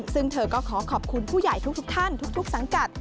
ซึ่งเธอก็ขอขอบคุณผู้ใหญ่ทุกท่านทุกสังกัด